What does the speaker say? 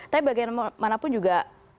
tapi bagaimanapun juga